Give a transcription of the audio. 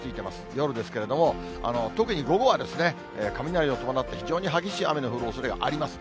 夜ですけれども、特に午後は雷を伴った非常に激しい雨の降るおそれがあります。